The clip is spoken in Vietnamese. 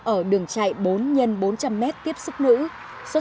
ở đường chạy bốn x bốn trăm linh m tiếp sức nữ